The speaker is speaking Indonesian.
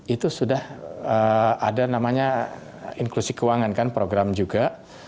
itu sudah ada namanya inklusi keuangan kan program juga